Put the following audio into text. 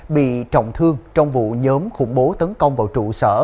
bị trọng thương trong vụ nhóm khủng bố tấn công vào trụ sở